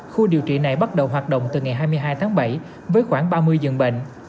khu điều trị này bắt đầu hoạt động từ ngày hai mươi hai tháng bảy với khoảng ba mươi dường bệnh